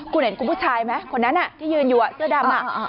คุณเห็นคุณผู้ชายไหมคนนั้นที่ยืนอยู่เสื้อดำ